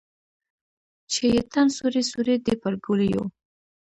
چې یې تن سوری سوری دی پر ګولیو